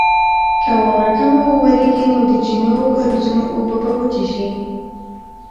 که واوره کمه وورېږي نو د چینو او کاریزونو اوبه به وچې شي.